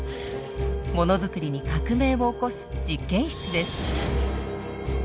ものづくりに革命を起こす実験室です。